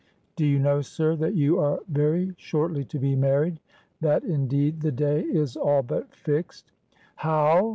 "Do you know, sir, that you are very shortly to be married, that indeed the day is all but fixed?" "How